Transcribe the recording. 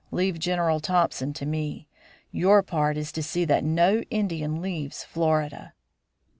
Leave General Thompson to me. Your part is to see that no Indian leaves Florida."